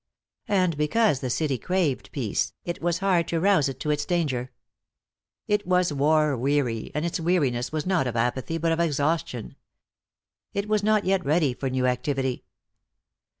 And because the city craved peace, it was hard to rouse it to its danger. It was war weary, and its weariness was not of apathy, but of exhaustion. It was not yet ready for new activity.